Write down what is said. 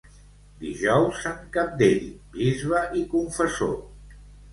Dijous, sant Cabdell bisbe i confessor.